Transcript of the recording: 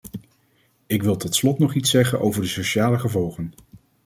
Ik wil tot slot nog iets zeggen over de sociale gevolgen.